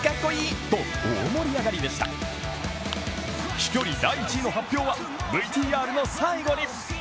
飛距離第１位の発表はＶＴＲの最後に。